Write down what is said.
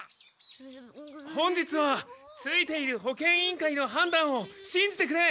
本日はツイている保健委員会の判断をしんじてくれ！